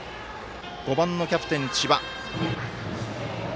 ５番、キャプテンの千葉。